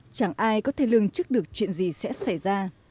chẳng ai có thể lương chức được chuyện gì sẽ xảy ra